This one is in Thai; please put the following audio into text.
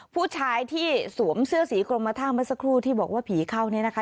ผู้ชายที่สวมเสื้อสีกรมท่าเมื่อสักครู่ที่บอกว่าผีเข้าเนี่ยนะคะ